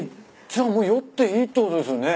じゃあもう酔っていいってことですよね？